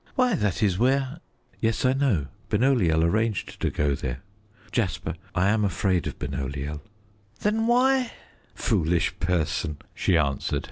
Why, that is where " "Yes, I know: Benoliel arranged to go there. Jasper, I am afraid of Benoliel." "Then why " "Foolish person," she answered.